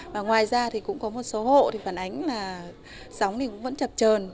và ngoài ra thì cũng có một số hộ thì phản ánh là sóng thì cũng vẫn chập trờn